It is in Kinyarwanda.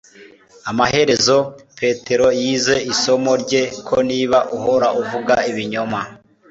amaherezo, petero yize isomo rye ko niba uhora uvuga ibinyoma